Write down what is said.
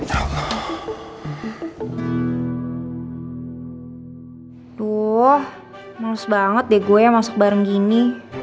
aduh males banget deh gue yang masuk bareng gini